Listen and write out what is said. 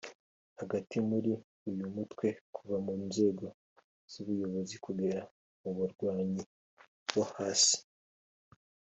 Hagati muri uyu mutwe kuva mu nzego z’ubuyobozi kugera mu barwanyi bo hasi